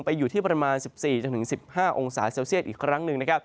อยู่ที่ประมาณ๑๔๑๕องศาเซลเซียตอีกครั้งหนึ่งนะครับ